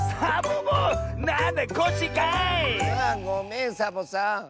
あごめんサボさん。